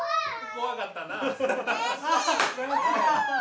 怖かったな。